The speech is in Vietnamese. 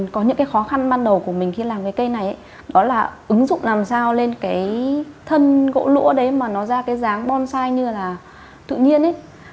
có những cái khó khăn ban đầu của mình khi làm cái cây này đó là ứng dụng làm sao lên cái thân gỗ lũa đấy mà nó ra cái dáng bonsai như là tự nhiên ấy